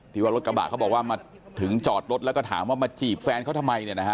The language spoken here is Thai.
ว่ารถกระบะเขาบอกว่ามาถึงจอดรถแล้วก็ถามว่ามาจีบแฟนเขาทำไมเนี่ยนะฮะ